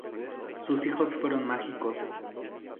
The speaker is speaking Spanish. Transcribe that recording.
Sus hijos fueron mágicos.